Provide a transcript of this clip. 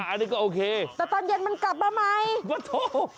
อันนี้ก็โอเคแต่ตอนเย็นมันกลับมาใหม่มาโทร